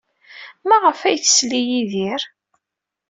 Maɣf ay tsell i Yidir?